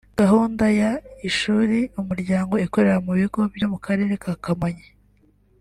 Gahunda ya “Ishuri Umuryango” ikorera mu bigo byo mu karere ka Kamonyi